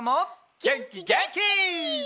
げんきげんき！